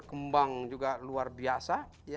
kembang juga luar biasa